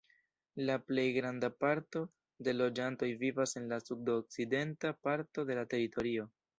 La plej granda parto de loĝantoj vivas en la sud-okcidenta parto de la teritorio.